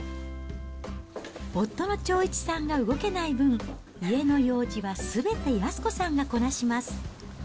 夫の長一さんが動けない分、家の用事はすべて、安子さんがこなします。